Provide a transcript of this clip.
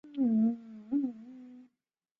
他实施了进一步改造城市的政策。